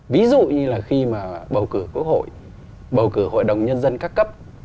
ví dụ như là khi mà bầu cử hội đồng nhân dân các cấp